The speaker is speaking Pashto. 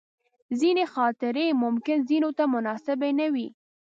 ځینې خاطرې ممکن ځینو ته مناسبې نه وي.